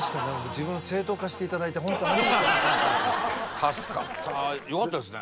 自分を助かった。よかったですね。